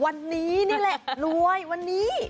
วันนี้นี่แหละรวยวันนี้